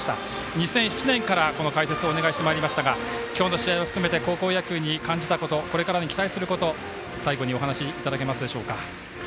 ２００７年から解説をお願いしてきましたが今日の試合を含めて高校野球に感じたことこれからに期待すること最後にお話いただけますでしょうか。